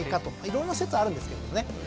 いろんな説あるんですけどね。